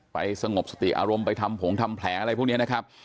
สงบสติอารมณ์ไปทำผงทำแผลอะไรพวกนี้นะครับ